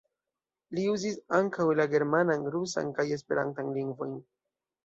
Li uzis ankaŭ la germanan, rusan kaj esperantan lingvojn.